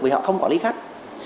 vì họ không quản lý khách